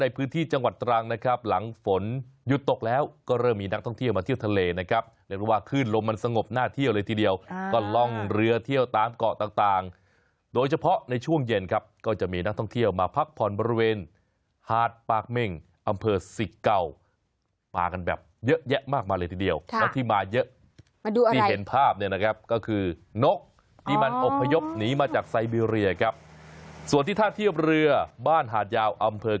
เป็นสงบหน้าเที่ยวเลยทีเดียวก็ลองเรือเที่ยวตามเกาะต่างโดยเฉพาะในช่วงเย็นครับก็จะมีนักท่องเที่ยวมาพักผ่อนบริเวณหาดปากเม่งอำเภอสิกเก่ามากันแบบเยอะแยะมากมาเลยทีเดียวแล้วที่มาเยอะที่เห็นภาพเนี่ยนะครับก็คือนกที่มันอบพยพหนีมาจากไซเบรียครับส่วนที่ท่าเที่ยวเรือบ้านหาดยาวอ